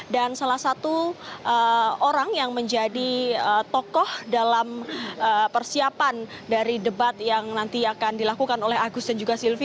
dan salah satu orang yang menjadi tokoh dalam persiapan dari debat yang nanti akan dilakukan oleh agus dan juga silvi